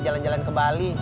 jalan jalan ke bali